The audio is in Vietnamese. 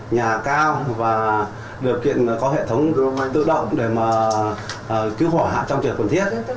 nhà cao và được kiện có hệ thống tự động để mà cứu khỏa trong trường quần thiết